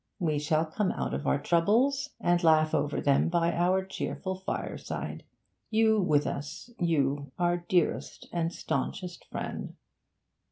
We shall come out of our troubles, and laugh over them by our cheerful fireside you with us you, our dearest and staunchest friend.'